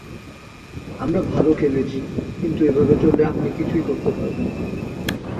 আমরা ভালো খেলেছি, কিন্তু এভাবে চললে আপনি কিছুই করতে পারবেন না।